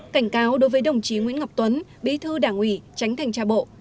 cảnh cáo đối với đồng chí nguyễn ngọc tuấn bí thư đảng ủy tránh thanh tra bộ